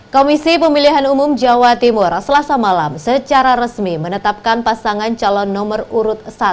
komisi pemilihan umum jawa timur selasa malam secara resmi menetapkan pasangan calon nomor urut satu